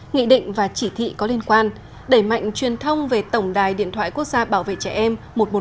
nghị định và chỉ thị có liên quan đẩy mạnh truyền thông về tổng đài điện thoại quốc gia bảo vệ trẻ em một trăm một mươi một